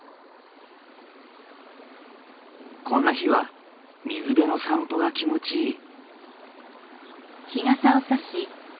こんな日は水辺の散歩が気持ちいい。